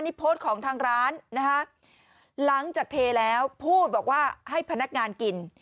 นี่โพสต์ของทางร้านนะคะหลังจากเทแล้วพูดบอกว่าให้พนักงานกิน